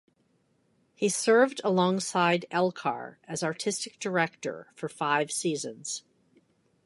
He served alongside Elcar as artistic director for five seasons.